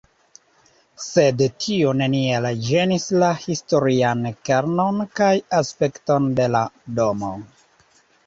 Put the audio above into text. Sed tio neniel ĝenis la historian kernon kaj aspekton de la domo.